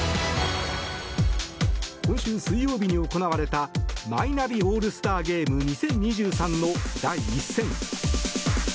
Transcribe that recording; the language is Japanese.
今週水曜日に行われたマイナビオールスターゲーム２０２３の第１戦。